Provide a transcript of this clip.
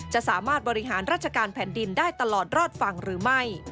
จะสามารถบริหารราชการแผ่นดินได้ตลอดรอดฝั่งหรือไม่